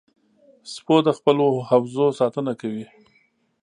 سپو د خپلو حوزو ساتنه کوي.